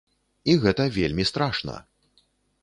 І гэта вельмі страшна!